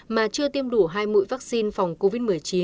mà chưa tiêm đủ hai mũi vaccine phòng covid một mươi chín